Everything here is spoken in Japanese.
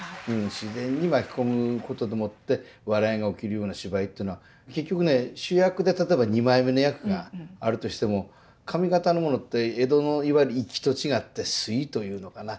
自然に巻き込むことでもって笑いが起きるような芝居っていうのは結局ね主役で例えば二枚目の役があるとしても上方のものって江戸のいわゆる粋と違って粋というのかな